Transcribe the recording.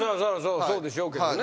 そうでしょうけどね。